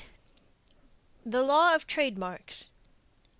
THE LAW OF TRADEMARKS.